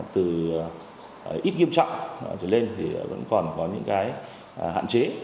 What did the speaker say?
từ ít nghiêm trọng cho lên thì vẫn còn có những hạn chế